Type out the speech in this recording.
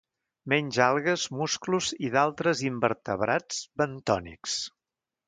Menja algues, musclos i d'altres invertebrats bentònics.